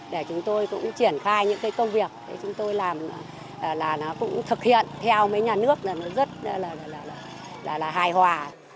để chúng tôi cũng triển khai những cái công việc chúng tôi làm là nó cũng thực hiện theo với nhà nước là nó rất là hài hòa